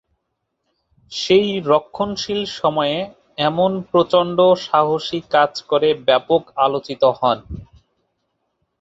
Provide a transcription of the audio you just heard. সেই রক্ষণশীল সময়ে এমন প্রচন্ড সাহসী কাজ করে ব্যাপক আলোচিত হন।